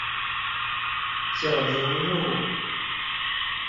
九如路